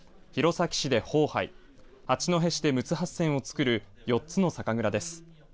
前市で豊盃八戸市で陸奥八仙を造る４つの酒蔵です。